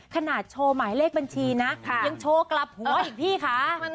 ขนาดโชว์หมายเลขบัญชีนะยังโชว์กลับหัวอีกพี่คะ